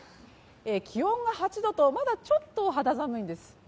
気温が８度とまだちょっと肌寒いんです。